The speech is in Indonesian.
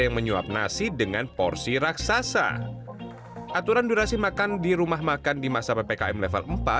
yang menyuap nasi dengan porsi raksasa aturan durasi makan di rumah makan di masa ppkm level empat